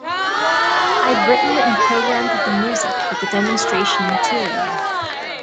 I'd written and programmed the music for the demonstration material.